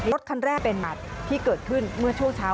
รถคันแรกเป็นหัดที่เกิดขึ้นเมื่อช่วงเช้า